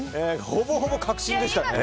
ほぼほぼ核心でしたね。